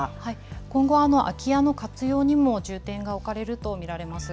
今後、空き家の活用にも重点が置かれると見られます。